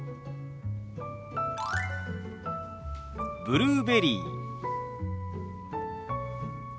「ブルーベリー」。